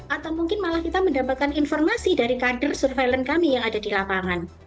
atau mungkin malah kita mendapatkan informasi dari kader surveillance kami yang ada di lapangan